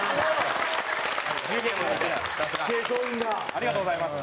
ありがとうございます。